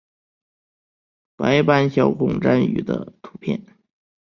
白斑小孔蟾鱼的图片